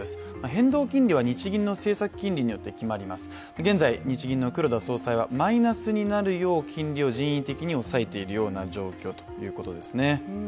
変動金利は日銀の政策金利によって決まります現在、日銀の黒田総裁はマイナスになるよう金利を人為的に抑えているような状況ということですね。